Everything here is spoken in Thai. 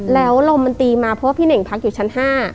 แล้วลมมันตีมาเพราะว่าพี่เน่งพักอยู่ชั้น๕